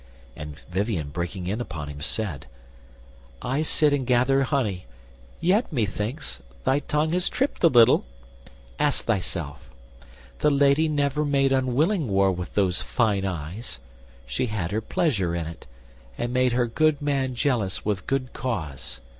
And Vivien breaking in upon him, said: "I sit and gather honey; yet, methinks, Thy tongue has tript a little: ask thyself. The lady never made unwilling war With those fine eyes: she had her pleasure in it, And made her good man jealous with good cause.